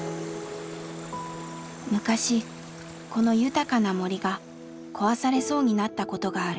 昔この豊かな森が壊されそうになったことがある。